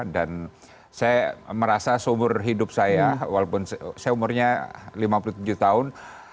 dan saya merasa seumur hidup saya walaupun saya umurnya lima puluh tujuh tahun